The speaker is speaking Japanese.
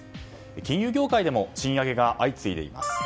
金融業界でも賃上げが相次いでいます。